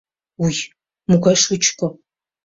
Уй, могай шучко!